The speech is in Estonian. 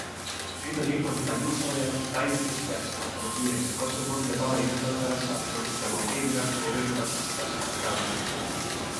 Nüüd on ilmad juba nii soojad, et taimekesed peaksid hakkama kiiresti kosuma ja paari nädala pärast saate noppida oma peenralt või rõdukastist värsket kraami.